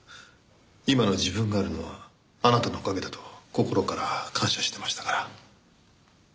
今の自分があるのはあなたのおかげだと心から感謝してましたから。